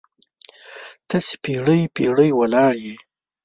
ته چې پیړۍ، پیړۍ ولاړیې دلته